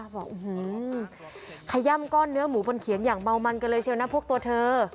บอกขย่ำก้อนเนื้อหมูบนเขียงอย่างเมามันกันเลยเชียวนะพวกตัวเธอ